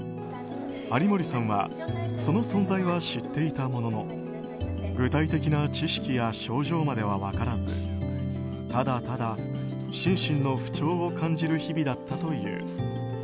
有森さんはその存在は知っていたものの具体的な知識や症状までは分からずただただ心身の不調を感じる日々だったという。